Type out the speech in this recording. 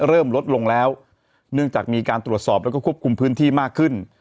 เริ่มลดลงแล้วเนื่องจากมีการตรวจสอบแล้วก็ควบคุมพื้นที่มากขึ้น